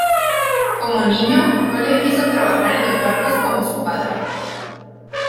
Como niño, Cole quiso trabajar en los barcos como su padre.